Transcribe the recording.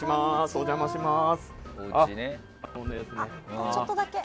お邪魔します。